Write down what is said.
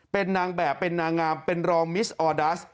เป็นนางแบบเป็นนางงามเป็นรองมิสออดัส